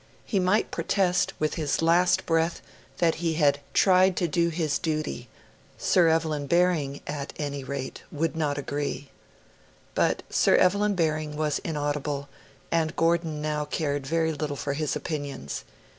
He might protest, with his last breath, that he had 'tried to do his duty'; Sir Evelyn Baring, at any rate, would not agree. But Sir Evelyn Baring was inaudible, and Gordon now cared very little for his opinions.